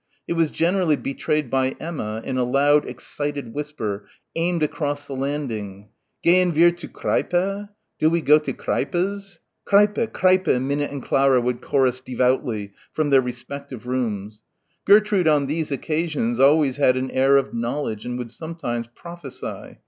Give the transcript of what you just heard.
It was generally betrayed by Emma in a loud excited whisper, aimed across the landing: "Gehen wir zu Kreipe? Do we go to Kreipe's?" "Kreipe, Kreipe," Minna and Clara would chorus devoutly from their respective rooms. Gertrude on these occasions always had an air of knowledge and would sometimes prophesy.